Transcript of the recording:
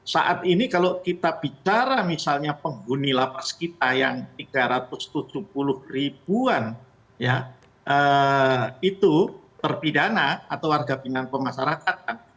saat ini kalau kita bicara misalnya penghuni lapas kita yang tiga ratus tujuh puluh ribuan itu terpidana atau warga binaan pemasarakatan